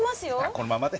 このままで。